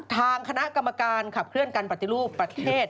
ทางคณะกรรมการขับเคลื่อนการปฏิรูปประเทศ